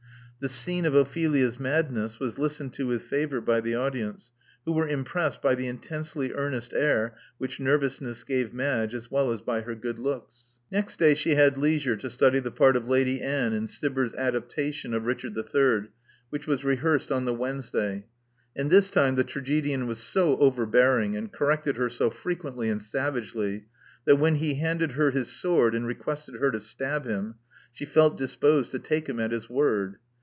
The scene of Ophelia's madness was listened to with favor by the audience, who were impressed by the intensely earnest air which nervousness gave Madge, as well as by her good looks. Next day she had leisure to study the part of Lady Anne in Gibber's adaptation of Richard III.," which was rehearsed on the Wednesday; and this time the tragedian was so overbearing, and corrected her so frequently and savagely, that when he handed her his sword, and requested her to stab him, she felt disposed to take him at his word.